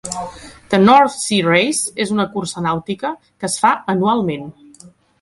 The North Sea Race, és una cursa nàutica que es fa anualment.